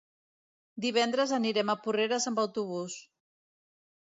Divendres anirem a Porreres amb autobús.